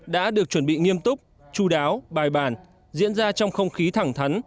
đã được chuẩn bị nghiêm túc chú đáo bài bản diễn ra trong không khí thẳng thắn